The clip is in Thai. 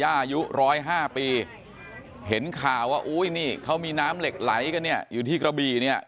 ย่ายุ๑๐๕ปีเห็นข่าวว่าเขามีน้ำเหล็กไหลอยู่ที่กระบี